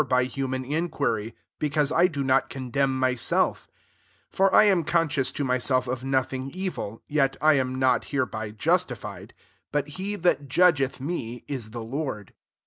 by human inquiry ; because I do not condemn myself; 4 (for I am conscious to myself of nothing evii ; yet I am not here by justified;) but he that judgeth me is the Lord.